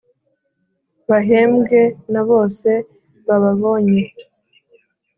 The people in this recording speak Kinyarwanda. Bahembwe na bose bababonye